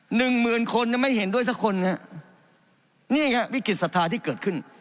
หนึ่งหมื่นคนยังไม่เห็นด้วยสักคนฮะนี่ไงวิกฤตศรัทธาที่เกิดขึ้น